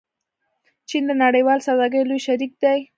چین د نړیوالې سوداګرۍ لوی شریک دی.